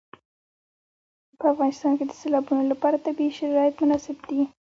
په افغانستان کې د سیلابونو لپاره طبیعي شرایط مناسب دي.